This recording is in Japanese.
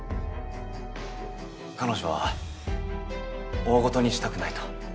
彼女は大事にしたくないと。